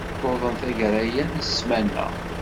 Tuḍen tagara-ya n ssmana.